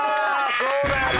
そうだよな。